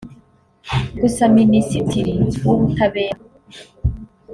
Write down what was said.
Gusa Minisitiri w’Ubutabera